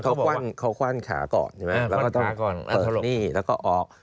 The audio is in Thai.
เขากว้านขาก่อนใช่ไหมแล้วก็ต้องเปิดหนี้แล้วก็ออก